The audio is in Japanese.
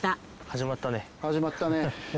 始まったね。